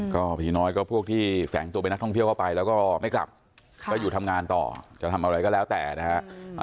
ก็ผีน้อยก็พวกที่แฝงตัวเป็นนักท่องเที่ยวเข้าไปแล้วก็ไม่กลับก็อยู่ทำงานต่อจะทำอะไรก็แล้วแต่นะฮะ